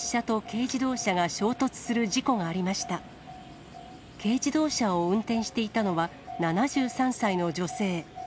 軽自動車を運転していたのは７３歳の女性。